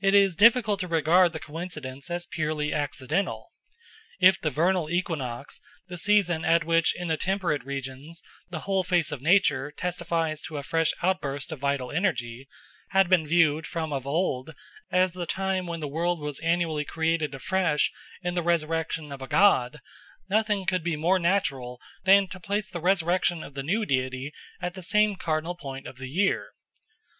It is difficult to regard the coincidence as purely accidental. If the vernal equinox, the season at which in the temperate regions the whole face of nature testifies to a fresh outburst of vital energy, had been viewed from of old as the time when the world was annually created afresh in the resurrection of a god, nothing could be more natural than to place the resurrection of the new deity at the same cardinal point of the year.